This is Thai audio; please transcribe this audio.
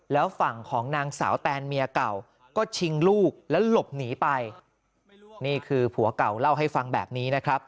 แล้วฝั่งของนางสาวแตนเมียเก่าก็ชิงลูกและหลบหนีไป